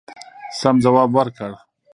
سم جواب ورکړ.